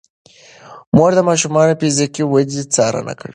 مور د ماشومانو د فزیکي ودې څارنه کوي.